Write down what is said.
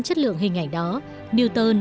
chất lượng hình ảnh đó newton